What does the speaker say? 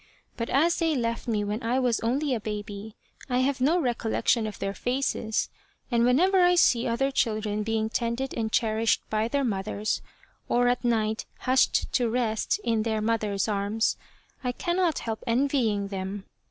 But as they left me when I was only a baby I have no recollection of their faces, and whenever I see other children being tended and cherished by their mothers, or at night hushed to rest in their mother's arms, I cannot help envying them.